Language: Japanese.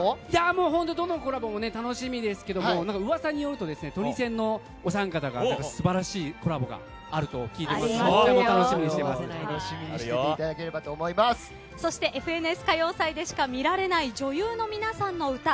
どのコラボも楽しみですけど噂によるとトニセンのお三方が素晴らしいコラボがあると聞いていますので楽しみにしていただければと「ＦＮＳ歌謡祭」でしか見られない女優の皆さんの歌。